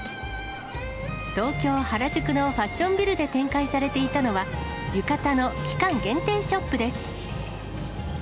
東京・原宿のファッションビルで展開されていたのは、浴衣の期間限定ショップです。